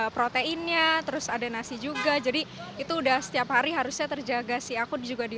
proteinnya terus ada nasi juga jadi itu udah setiap hari harusnya terjaga sih aku juga di